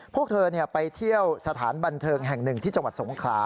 พวกเธอไปเที่ยวสถานบันเทิงแห่งหนึ่งที่จังหวัดสงขลา